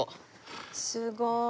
すごい。